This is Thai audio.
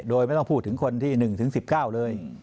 โดยไม่ต้องพูดถึงคนที่หนึ่งถึงสิบเก้าเลย